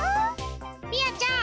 みやちゃん！